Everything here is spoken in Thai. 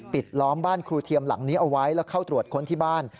ล้อมบ้านครูเทียมหลังนี้เอาไว้แล้วเข้าตรวจค้นที่บ้าน